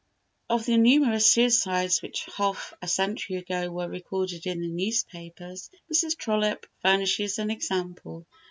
Of the numerous suicides which half a century ago were recorded in the newspapers, Mrs. Trollope furnishes an example.